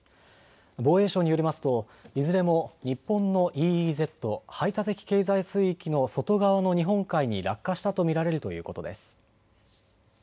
防衛省によりますといずれも日本のＥＥＺ・排他的経済水域の外側の日本海に落下したと見られるということです。